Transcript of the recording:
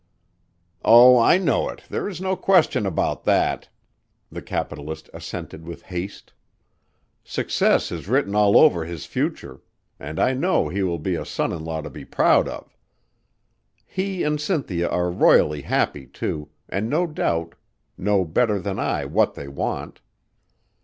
"Oh, I know it there is no question about that," the capitalist assented with haste. "Success is written all over his future, and I know he will be a son in law to be proud of. He and Cynthia are royally happy too, and no doubt know better than I what they want.